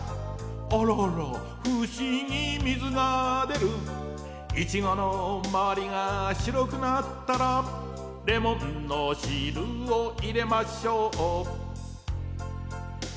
「あらあら不思議水が出る」「イチゴのまわりがしろくなったら」「レモンの汁を入れましょう」